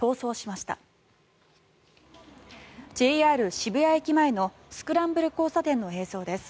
渋谷駅前のスクランブル交差点の映像です。